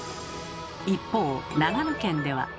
一方長野県では。